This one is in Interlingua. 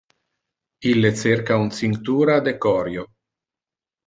Ille cerca un cinctura de corio.